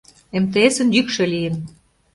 МТС-ын йӱкшӧ лийын.